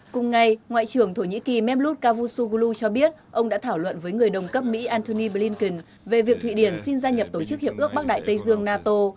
cùng ngày ngoại trưởng thổ nhĩ kỳ mém lút cavusoglu cho biết ông đã thảo luận với người đồng cấp mỹ antony blinken về việc thụy điển xin gia nhập tổ chức hiệp ước bắc đại tây dương nato